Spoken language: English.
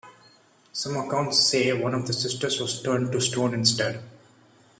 Some accounts say one of the sisters was turned to stone instead.